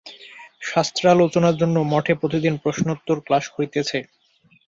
শাস্ত্রালোচনার জন্য মঠে প্রতিদিন প্রশ্নোত্তর-ক্লাস হইতেছে।